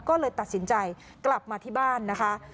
ก็เลยตัดสินใจกลับมาที่บ้านนะคะ